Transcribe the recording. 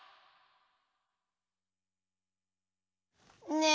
ねえ